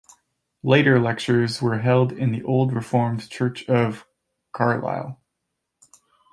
Later lectures were held in the old Reformed Church of Carlisle.